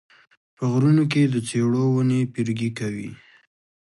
په غرونو کې د څېړو ونې پیرګي کوي